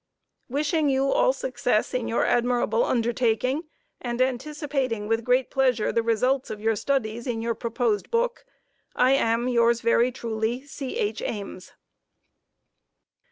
Wishing you all success in your admirable undertaking, and anticipating with great pleasure the results of your studies in your proposed book, I am, Yours very truly, C. H. Ames.